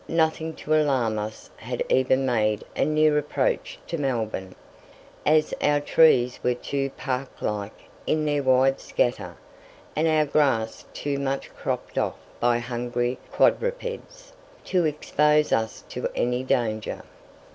Nothing to alarm us had even made a near approach to Melbourne, as our trees were too park like in their wide scatter, and our grass too much cropped off by hungry quadrupeds, to expose us to any danger.